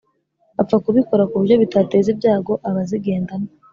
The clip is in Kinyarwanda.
bapfa kubikora kuburyo bitateza ibyago abazigendamo